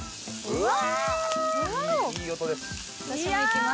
うわ！